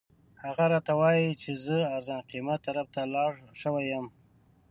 هغه راته وایي چې زه ارزان قیمت طرف ته لاړ شوی یم.